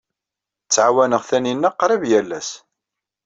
Ttɛawaneɣ Taninna qrib yal ass.